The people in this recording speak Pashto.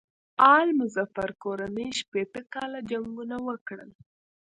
آل مظفر کورنۍ شپېته کاله جنګونه وکړل.